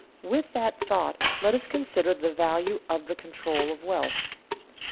With that thought let us consider the value of the control of wealth.